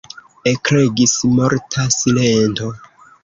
Ekregis morta silento.